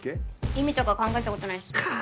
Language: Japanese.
意味とか考えたことないっす。か！